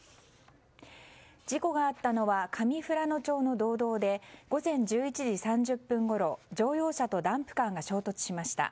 事故があったのは上富良野町の道道で午前１１時３０分ごろ乗用車とダンプカーが衝突しました。